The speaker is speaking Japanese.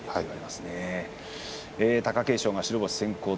貴景勝、白星先行。